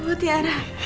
aku mau ketemu tiara